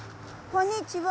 こんにちは。